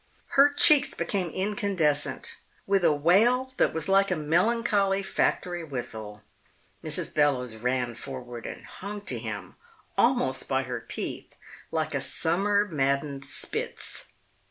Her cheeks became incandescent. With a wail that was like a melancholy factory whistle, Mrs. Bellowes ran forward and hung to him, almost by her teeth, like a summer maddened Spitz.